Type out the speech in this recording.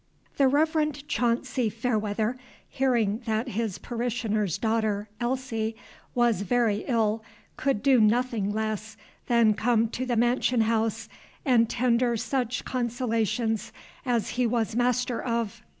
The Reverend Chauncy Fairweather, hearing that his parishioner's daughter, Elsie, was very ill, could do nothing less than come to the mansion house and tender such consolations as he was master of.